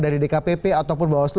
dari dkpp ataupun bawaslu